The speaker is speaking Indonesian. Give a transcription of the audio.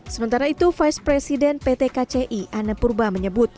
sementara itu vice president pt kci anne purba menyebut